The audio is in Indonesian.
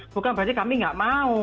bukan berarti kami nggak mau